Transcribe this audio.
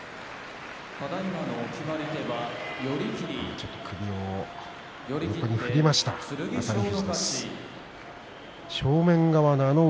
ちょっと首を横に振りました、熱海富士です。